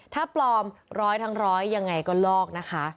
ถ้าปลอมร้อยทั้งร้อยยังไงก็ลอกนะคะ